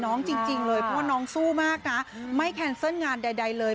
กำลังใจน้องจริงเลยเพราะว่าน้องสู้มากนะไม่แคนเซิลงานใดเลย